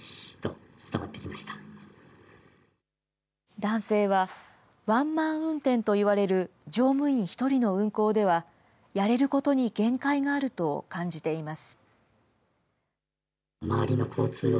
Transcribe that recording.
男性は、ワンマン運転といわれる乗務員１人の運行では、やれることに限界があると感じています。